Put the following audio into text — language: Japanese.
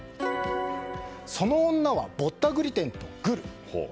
その女は、ぼったくり店とグル。